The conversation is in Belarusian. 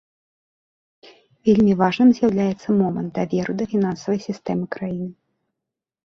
Вельмі важным з'яўляецца момант даверу да фінансавай сістэмы краіны.